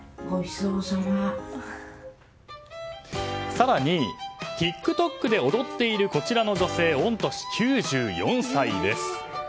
更にＴｉｋＴｏｋで踊っているこちらの女性、御年９４歳です。